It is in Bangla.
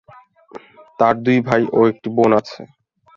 তার দুটি ভাই ও একটি বোন আছে।